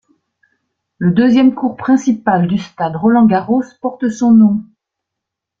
Le deuxième court principal du stade Roland-Garros porte son nom.